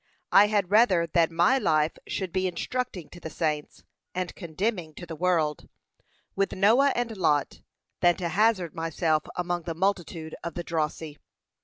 I had rather that my life should be instructing to the saints, and condemning to the world, with Noah and Lot, than to hazard myself among the multitude of the drossy.